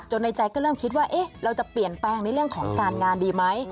ในใจก็เริ่มคิดว่าเราจะเปลี่ยนแปลงในเรื่องของการงานดีไหม